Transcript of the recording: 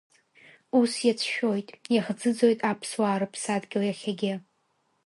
Ус иацәшәоит, иахӡыӡоит аԥсуаа рыԥсадгьыл иахьагьы.